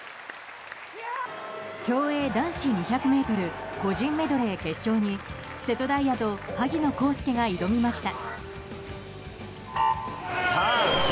競泳男子２００ｍ個人メドレー決勝に瀬戸大也と萩野公介が挑みました。